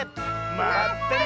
まったね！